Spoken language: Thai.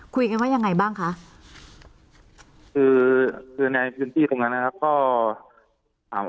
คุยกันว่ายังไงบ้างคะคือคือในพื้นที่ตรงนั้นนะครับก็อ่า